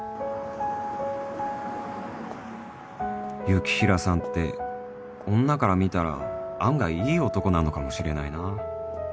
雪平さんって女から見たら案外いい男なのかもしれないな